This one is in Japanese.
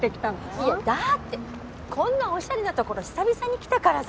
いやだってこんなおしゃれな所久々に来たからさ。